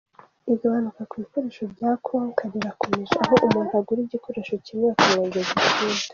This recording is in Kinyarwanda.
Igabanuka ku bikoreho bya Konka rirakomeje, aho umuntu agura igikoresho kimwe bakamwongeza ikindi.